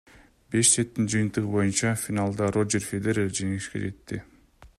Беш сеттин жыйынтыгы боюнча финалда Рожер Федерер жеңишке жетти.